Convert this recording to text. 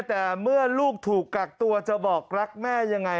แต่เมื่อลูกถูกกักตัวจะบอกรักแม่ยังไง